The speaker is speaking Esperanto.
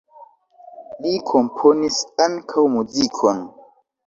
Li komponis ankaŭ muzikon.